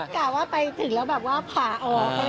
กะว่าไปถึงแล้วแบบว่าผ่าออกอะไรอย่างนี้